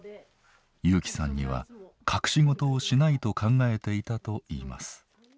裕樹さんには隠し事をしないと考えていたといいます。